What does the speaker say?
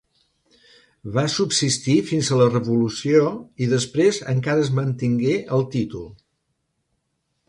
Va subsistir fins a la revolució i després encara es mantingué el títol.